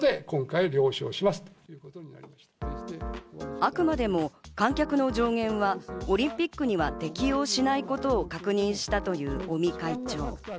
あくまでも観客の上限はオリンピックには適用しないことを確認したという尾身会長。